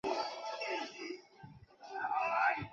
主要业务是经营国内物业和房地产开发的。